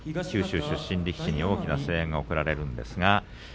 毎年、九州出身力士に大きな声援が送られます。